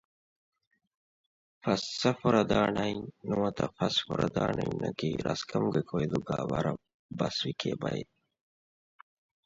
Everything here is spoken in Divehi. ‘ފަންސަފުރަދާނައިން’ ނުވަތަ ފަސް ފުރަދާނައިން ނަކީ ރަސްކަމުގެ ކޮއިލުގައި ވަރަށް ބަސްވިކޭ ބައެއް